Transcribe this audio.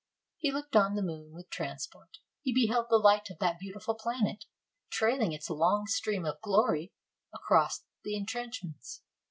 He looked on the moon with transport; he beheld the light of that beau tiful planet, trailing its long stream of glory across the 150 POLAND OR RUSSIA? intrenchments.